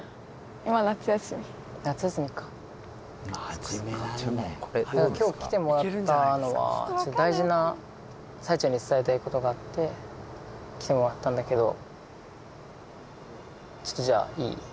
今夏休み夏休みか今日来てもらったのは大事なさやちゃんに伝えたいことがあって来てもらったんだけどちょっとじゃあいい？